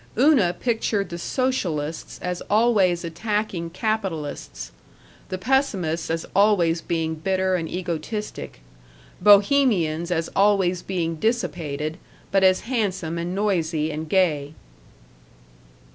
Una pictured the socialists as always attacking capitalists; the pessimists as always being bitter and egotistic; Bohemians as always being dissipated, but as handsome and noisy and gay.